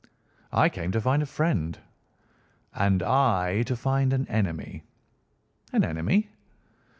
"I came to find a friend." "And I to find an enemy." "An enemy?"